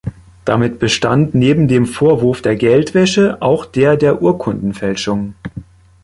Damit bestand neben dem Vorwurf der Geldwäsche auch der der Urkundenfälschung.